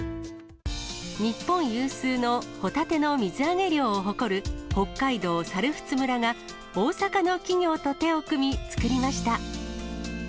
日本有数のホタテの水揚げ量を誇る北海道猿払村が、大阪の企業と手を組み作りました。